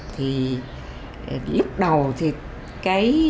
thì lúc đầu thì cái